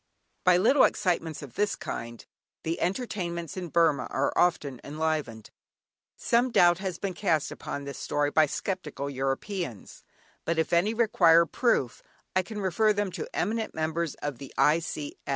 By little excitements of this kind the entertainments in Burmah are often enlivened. Some doubt has been cast upon this story by sceptical Europeans, but if any require proof, I can refer them to eminent members of the I.